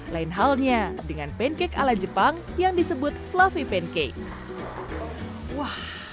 lain halnya dengan pancake ala jepang yang disebut fluffy pancake